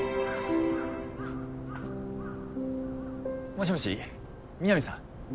もしもし南さん？